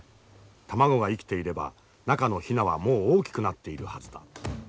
卵が生きていれば中のヒナはもう大きくなっているはずだ。